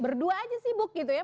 berdua aja sibuk gitu ya